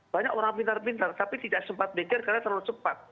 banyak orang pintar pintar tapi tidak sempat mikir karena terlalu cepat